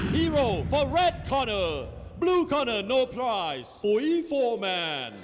ฮีโร่ฟอร์แรดคอร์เนอร์บลูคอร์เนอร์โนพรายซ์ปุ๊ยโฟร์แมน